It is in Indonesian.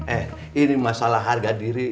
eh ini masalah harga diri